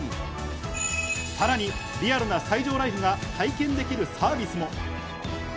さらにリアルな西条ライフが体験できるサービスも。